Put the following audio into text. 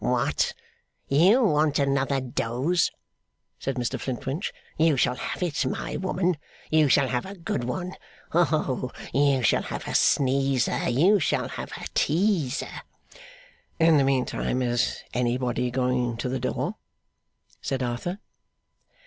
'What? You want another dose!' said Mr Flintwinch. 'You shall have it, my woman, you shall have a good one! Oh! You shall have a sneezer, you shall have a teaser!' 'In the meantime is anybody going to the door?' said Arthur.